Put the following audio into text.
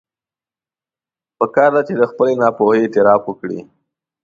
پکار ده چې د خپلې ناپوهي اعتراف وکړي.